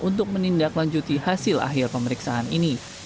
untuk menindak lanjuti hasil akhir pemeriksaan ini